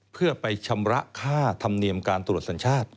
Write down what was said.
เพื่อไปชำระค่าธรรมเนียมการตรวจสัญชาติ